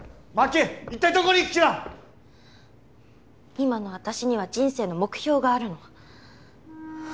今の私には人生の目標があるの。